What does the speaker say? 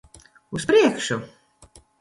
Uz priekšu!